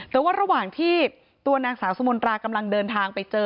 แต่ว่าระหว่างที่ตัวนางสาวสมนตรากำลังเดินทางไปเจอ